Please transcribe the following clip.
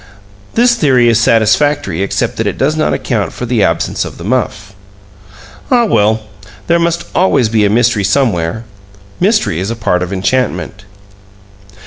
This theory is satisfactory except that it does not account for the absence of the muff. Ah, well, there must always be a mystery somewhere! Mystery is a part of enchantment.